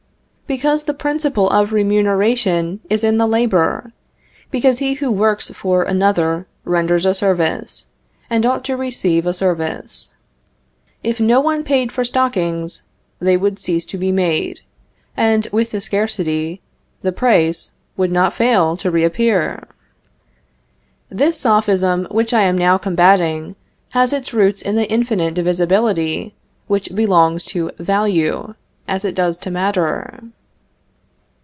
Because the principle of remuneration is in labor; because he who works for another renders a service, and ought to receive a service. If no one paid for stockings, they would cease to be made; and, with the scarcity, the price would not fail to reappear. The sophism which I am now combating has its root in the infinite divisibility which belongs to value, as it does to matter.